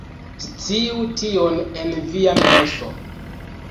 Sciu tion en via menso